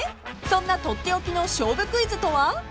［そんな取って置きの勝負クイズとは？］